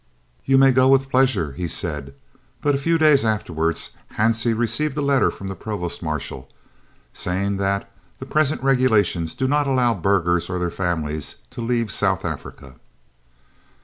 "You may go with pleasure," he had said; but a few days afterwards Hansie received a letter from the Provost Marshal, saying that "the present regulations do not allow burghers or their families to leave South Africa."